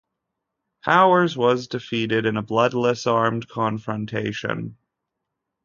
Powers was defeated in a bloodless armed confrontation.